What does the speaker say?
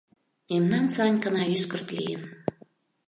Мемнан Санькана ӱскырт лийын.